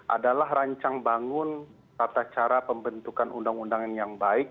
adalah rancang bangun tata cara pembentukan undang undangan yang baik